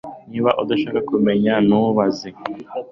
Niba udashaka kumenya ntubaze